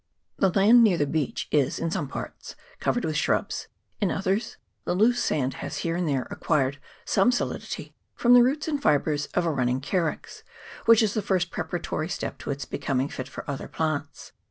The land near the beach is, in some parts, covered 134 MOUNT EGMONT. [PART I. with shrubs ; in others the loose sand has here and there acquired some solidity from the roots and fibres of a running carex, which is the first preparatory step to its becoming fit for other plants.